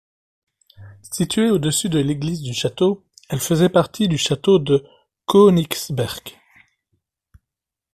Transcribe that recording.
Située au-dessus de l'Église du Château, elle faisait partie du Château de Königsberg.